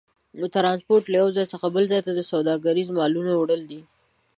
ترانسپورت له یو ځای څخه بل ځای ته د سوداګرۍ مالونو وړل دي.